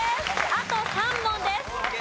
あと３問です。